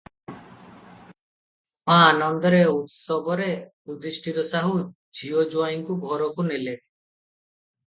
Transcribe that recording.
ମହା ଆନନ୍ଦରେ, ଉତ୍ସବରେ ଯୁଧିଷ୍ଠିର ସାହୁ ଝିଅ ଜୁଆଇଁଙ୍କୁ ଘରକୁ ନେଲେ ।